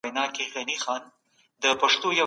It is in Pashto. دا هغه اثر دی چي د اګوستين شهرت يې زيات کړ.